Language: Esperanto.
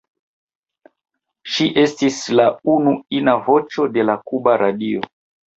Ŝi estis la unu ina voĉo de la kuba radio.